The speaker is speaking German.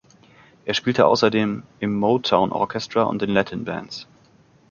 Er spielte außerdem im "Motown Orchestra" und in Latin-Bands.